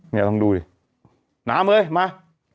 นี่ลองดูดิน้ำเลยมา